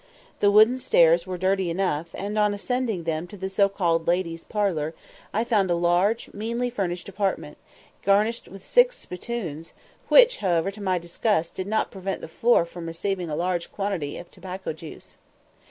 The wooden stairs were dirty enough, and, on ascending them to the so called "ladies' parlour," I found a large, meanly furnished apartment, garnished with six spittoons, which, however, to my disgust, did not prevent the floor from receiving a large quantity of tobacco juice.